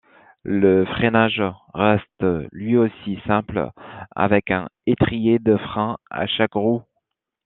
Le freinage reste lui aussi simple avec un étrier de frein à chaque roue.